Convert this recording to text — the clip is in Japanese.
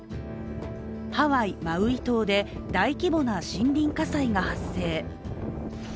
ハワイ・マウイ島で大規模な森林火災が発生。